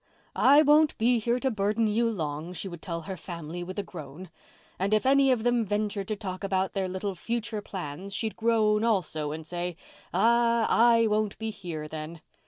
'I won't be here to burden you long,' she would tell her family with a groan. And if any of them ventured to talk about their little future plans she'd groan also and say, 'Ah, I won't be here then.